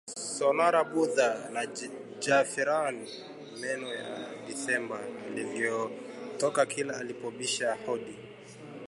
Sonara Budha na Jafferani meno ya Disemba yaliwatoka kila alipobisha hodi